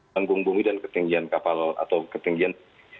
panggung bumi dan ketinggian kapal atau ketinggian